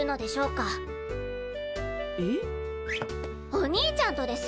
お兄ちゃんとです！